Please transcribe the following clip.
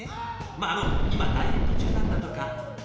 まああの今ダイエット中なんだとか。